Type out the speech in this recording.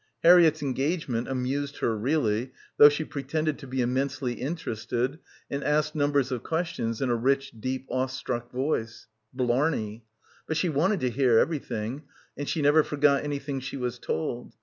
Harriett's engagement amused her really, though she pretended to be immensely interested and asked numbers of questions in a rich deep awe struck voice ... blarney. ... But she wanted to hear everything, and she never forgot anything she was told.